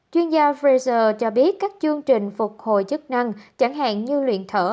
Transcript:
chuyên gia fraser cho biết các chương trình phục hồi chức năng chẳng hạn như luyện thở